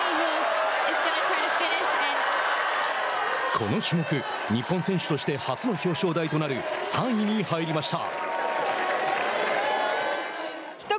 この種目、日本選手として初の表彰台となる３位に入りました。